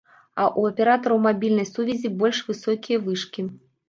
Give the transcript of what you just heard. А ў аператараў мабільнай сувязі больш высокія вышкі.